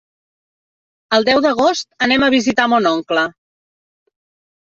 El deu d'agost anem a visitar mon oncle.